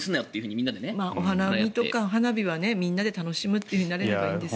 お花見とか花火はみんなで楽しむとなればいいんですが。